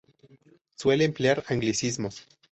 Suele emplear anglicismos.